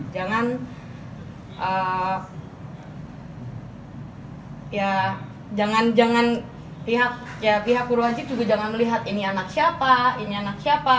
jangan ya pihak purwajib juga jangan melihat ini anak siapa ini anak siapa